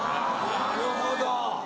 なるほど！